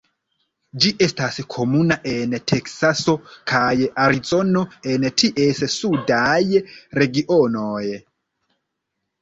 Ĝi estas komuna en Teksaso kaj Arizono en ties sudaj regionoj.